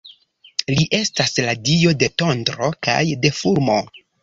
Li estas la dio de tondro kaj de fulmo.